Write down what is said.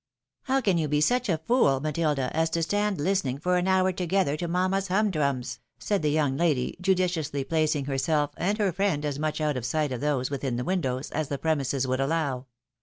" How can you be such a fool, Matilda, as to stand listening for an hour together to mamma's humdrums?," said the young lady, judiciously placing herself and her friend as much out of sight of those within the windows as the premises would allow.